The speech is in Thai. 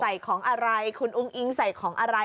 ใส่ของอะไรคุณอุ้งอิงใส่ของอะไร